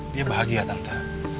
dia bahagia tante